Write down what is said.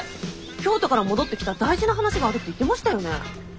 京都から戻ってきたら大事な話があるって言ってましたよね？